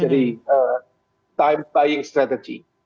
jadi time buying strategy